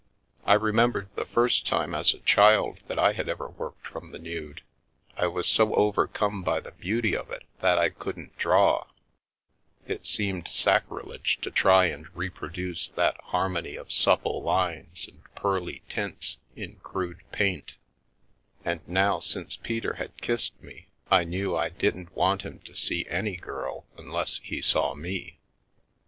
I remembered the first time, as a child, that I ever worked from the nude, I was so over 237 The Milky Way come by the beauty of it that I couldn't draw ; it seemed sacrilege to try and reproduce that harmony of supple lines and pearly tints in crude paint And now since Peter had kissed me I knew I didn't want him to see any girl unless he saw me.